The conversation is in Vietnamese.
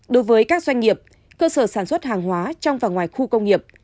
đối với các doanh nghiệp cơ sở sản xuất hàng hóa trong và ngoài khu công nghiệp